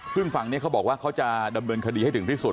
ซึ่งฝั่งนี้เขาบอกว่าเขาจะดำเนินคดีให้ถึงที่สุด